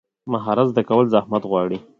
مهارت زده کول زحمت غواړي.